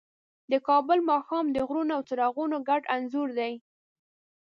د کابل ماښام د غرونو او څراغونو ګډ انځور دی.